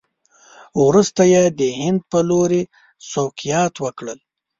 وروسته یې د هند په لوري سوقیات وکړل.